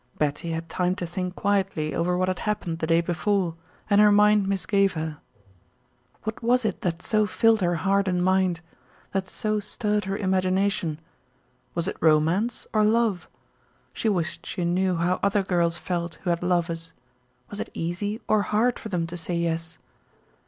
Betty had time to think quietly over what had happened the day before and her mind misgave her. What was it that so filled her heart and mind? That so stirred her imagination? Was it romance or love? She wished she knew how other girls felt who had lovers. Was it easy or hard for them to say yes?